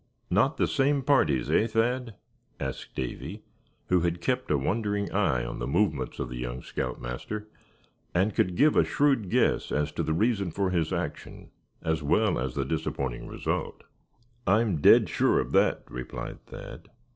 "Not the same parties, eh, Thad?" asked Davy, who had kept a wondering eye on the movements of the young scout master, and could give a shrewd guess as to the reason for his action, as well as the disappointing result. "I'm dead sure of that," replied Thad.